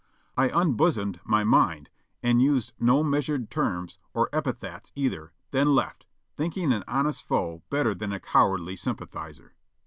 I unbosomed my mind, and used no measured terms or epithets either, then left, thinking an honest foe better than a cowardly sympathizer.